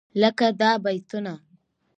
لکه دا بيتونه: